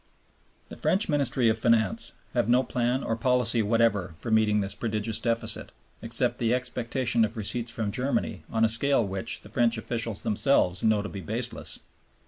The French Ministry of Finance have no plan or policy whatever for meeting this prodigious deficit, except the expectation of receipts from Germany on a scale which the French officials themselves know to be baseless.